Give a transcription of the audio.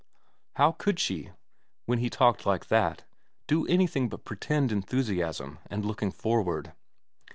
How could she, when he talked like that, do anything but pretend enthusiasm and looking forward